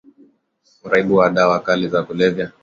uraibu wa dawa kali za kulevya kuwa mambo yanayowapata watu wenye